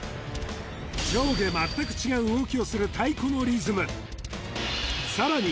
上下全く違う動きをする太鼓のリズムさらに